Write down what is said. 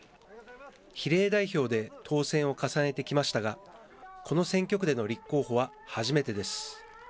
比例代表で当選を重ねてきましたが、この選挙区での立候補は初めてです。